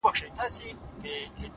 o دا سپوږمۍ وينې،